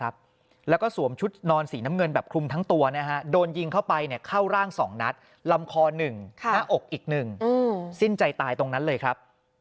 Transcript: เบือกพรุงคอหนึ่งหน้าอกอีกหนึ่งสิ้นใจตายตรงนั้นเลยครับ